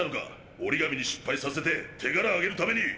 折紙に失敗させて手柄あげるために！